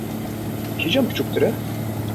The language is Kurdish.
Kîjan biçûktir e?